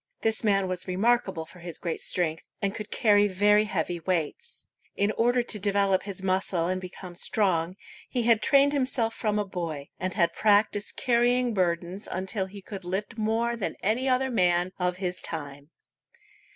This man was remarkable for his great strength, and could carry very heavy weights. In order to develop his muscle and become strong, he had trained himself from a boy, and had practiced carrying burdens until he could lift more than any other man of his time.